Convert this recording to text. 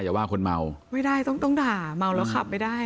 อย่าว่าคนเมาไม่ได้ต้องต้องด่าเมาแล้วขับไม่ได้